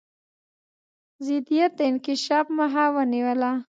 ضدیت د انکشاف مخه ونیوله.